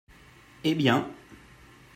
Eh bien